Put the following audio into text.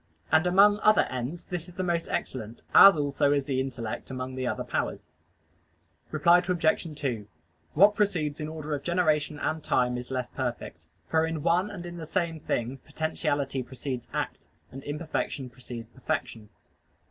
And among other ends this is the most excellent: as also is the intellect among the other powers. Reply Obj. 2: What precedes in order of generation and time is less perfect: for in one and in the same thing potentiality precedes act, and imperfection precedes perfection.